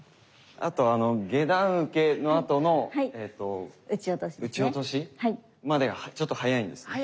あと下段受けのあとの打ち落としまでがちょっと速いんですね。